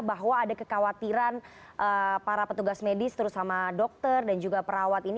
bahwa ada kekhawatiran para petugas medis terus sama dokter dan juga perawat ini